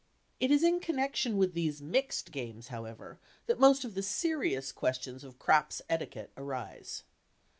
It is in connection with these "mixed" games, however, that most of the more serious questions of "craps" etiquette arise.